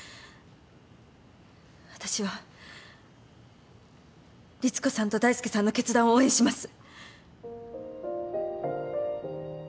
私はリツコさんと大介さんの決断を応援します。